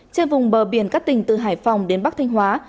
trên vùng bờ biển các tỉnh từ hải phòng đến bắc thanh hóa